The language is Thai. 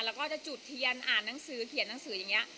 แล้วก็จะจุดเทียนอ่านหนังสือเขียนหนังสืออย่างนี้